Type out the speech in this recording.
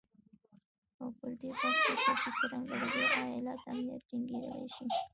او پر دې بحث وکړي چې څرنګه د دې ایالت امنیت ټینګیدلی شي